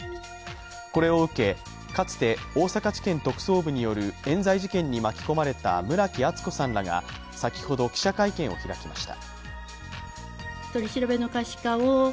これを受け、かつて大阪地検特捜部によるえん罪事件に巻き込まれた村木厚子さんらが先ほど記者会見を開きました。